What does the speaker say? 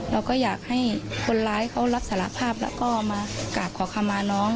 เราก็อยากให้คนร้ายเขารับสารภาพแล้วก็มากราบขอคำมาน้อง